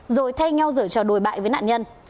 rồi thay nhau rời trò đổi bại với nạn nhân